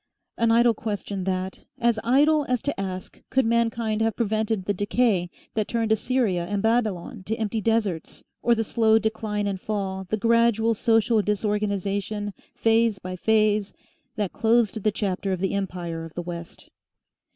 An idle question that, as idle as to ask could mankind have prevented the decay that turned Assyria and Babylon to empty deserts or the slow decline and fall, the gradual social disorganisation, phase by phase, that closed the chapter of the Empire of the West!